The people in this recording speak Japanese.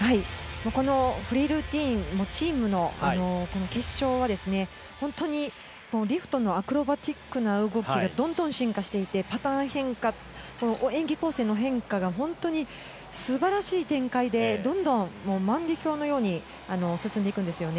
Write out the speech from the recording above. フリールーティンは、チームの決勝は、本当にリフトのアクロバティックな動きがどんどん進化していて、パターン変化、演技構成の変化は素晴らしい展開で、どんどん万華鏡のように進んでいくんですよね。